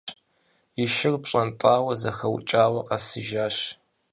И шыр пщӀэнтӀауэ, зэхэукӀауэ къэсыжащ.